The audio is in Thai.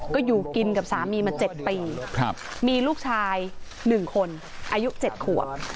ก็อยู่กินกับสามีมาเจ็ดปีครับมีลูกชายหนึ่งคนอายุเจ็ดขวบ